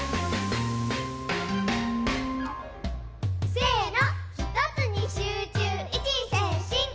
せの！